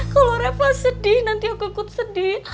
kalau refla sedih nanti aku ikut sedih